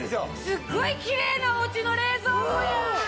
すごいキレイなおうちの冷蔵庫やん。